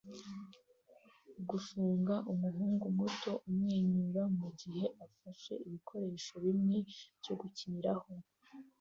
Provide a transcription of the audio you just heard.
Gufunga umuhungu muto amwenyura mugihe afashe ibikoresho bimwe byo gukiniraho